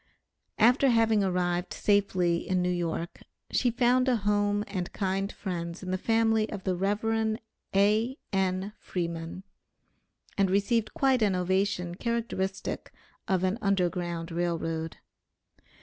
After having arrived safely in New York, she found a home and kind friends in the family of the Rev. A.N. Freeman, and received quite an ovation characteristic of an Underground Rail Road.